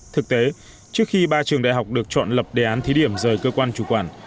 thực tế trước khi ba trường đại học được chọn lập đề án thí điểm rời cơ quan chủ quản